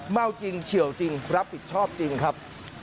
เมาจริงเฉียวจริงรับผิดชอบจริงครับ